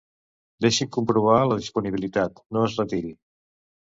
Deixi'm comprovar la disponibilitat, no es retiri.